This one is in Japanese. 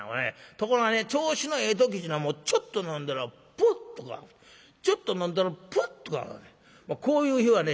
ところがね調子のええ時っちゅうのはちょっと飲んだらポッとかちょっと飲んだらプッとかこういう日はね